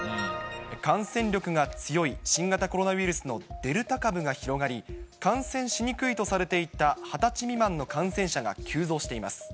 感染力が強い新型コロナウイルスのデルタ株が広がり、感染しにくいとされていた２０歳未満の感染者が急増しています。